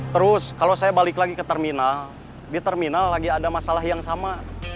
terus kalau saya balik lagi ke terminal di terminal lagi ada masalah yang sama